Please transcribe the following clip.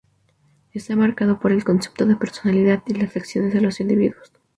Está marcado por el concepto de personalidad y las acciones de los individuos.